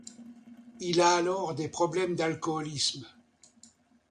Il a alors des problèmes d'alcoolisme.